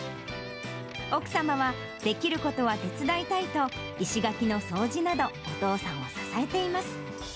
奥様はできることは手伝いたいと、石垣の掃除など、お父さんを支えています。